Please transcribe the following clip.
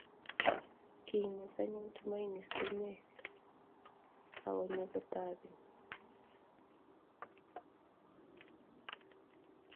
Kingus anyun Tumaini sumek akokanya toben